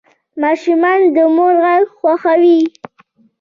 ماشومان د مور غږ خوښوي.